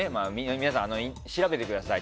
皆さん調べてください